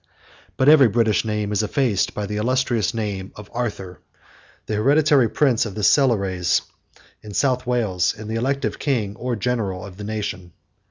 But every British name is effaced by the illustrious name of Arthur, 140 the hereditary prince of the Silures, in South Wales, and the elective king or general of the nation.